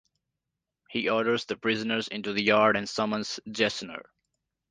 He orders the prisoners into the yard and summons Gessner.